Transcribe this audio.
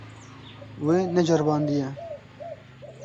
Wê neceribandiye.